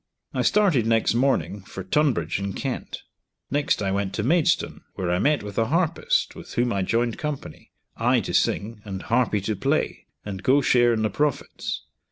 I started next morning for Tunbridge, in Kent; next I went to Maidstone, where I met with a harpist with whom I joined company, I to sing, and harpy to play, and go share in the profits.